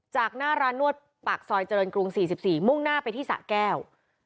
จากหน้าร้านนวดปากสอยจรรย์กรุงสี่สิบสี่มุ่งหน้าไปที่สระแก้ว